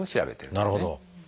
なるほど。